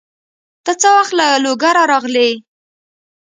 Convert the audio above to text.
ته څه وخت له لوګره راغلې؟